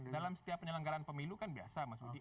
dalam setiap penyelenggaran pemilu kan biasa mas budi